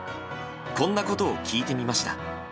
こんなことを聞いてみました。